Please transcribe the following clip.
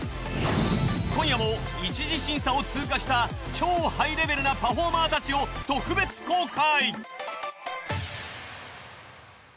今夜も一次審査を通過した超ハイレベルなパフォーマーたちを特別公開！